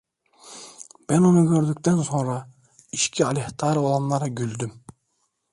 Ben onu gördükten sonra içki aleyhtarı olanlara güldüm.